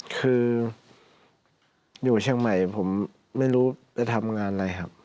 คืออยู่เชียงใหม่ผมไม่รู้ไปทำงานอะไรครับ